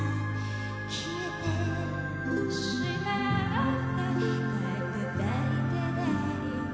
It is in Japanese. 「消えてしまった抱いて抱いて抱いて」